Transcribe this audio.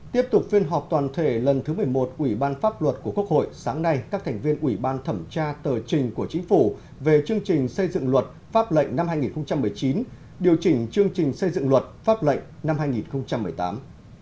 tiếp tục phiên họp toàn thể lần thứ một mươi một của ủy ban pháp luật của quốc hội sáng nay các thành viên ủy ban thẩm tra tờ trình của chính phủ về chương trình xây dựng luật pháp lệnh năm hai nghìn một mươi chín điều chỉnh chương trình xây dựng luật pháp lệnh năm hai nghìn một mươi tám